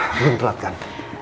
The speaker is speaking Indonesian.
belum telat kan